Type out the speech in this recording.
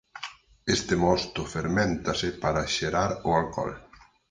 Este mosto ferméntase para xerar o alcohol.